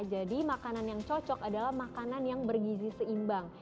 jadi makanan yang cocok adalah makanan yang bergizi seimbang